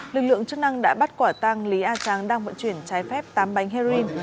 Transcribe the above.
lực lượng chức năng đã bắt quả tăng lý a trắng đang vận chuyển trái phép tám bánh heroin